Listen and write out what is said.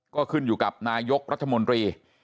ก็ขึ้นอยู่กับนายกรัฐมนตรี